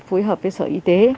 phối hợp với sở y tế